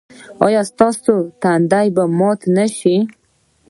ایا ستاسو تنده به ماته نه شي؟